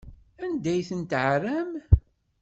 Anda ay ten-tɛerram?